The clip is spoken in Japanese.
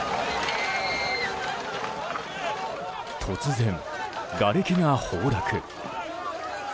突然、がれきが崩落。